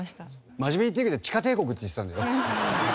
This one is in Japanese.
真面目に言ってるけど地下帝国って言ってたんだよ。